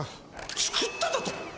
作っただと！？